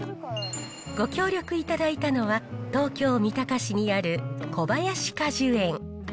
ご協力いただいたのは、東京・三鷹市にある小林果樹園。